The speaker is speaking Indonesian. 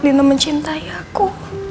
dina mencintai aku